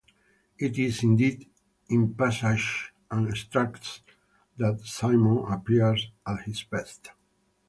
It is, indeed, in passages and extracts that Symonds appears at his best.